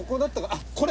あっこれ！